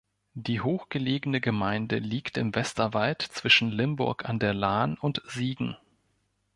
Die hoch gelegene Gemeinde liegt im Westerwald zwischen Limburg an der Lahn und Siegen.